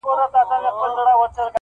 چي بې وزره دي قدم ته درختلی یمه-